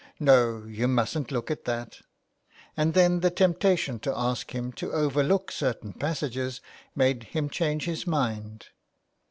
^' No, you mustn't look at that." And then the temptation to ask him to overlook certain passages made him change his mind.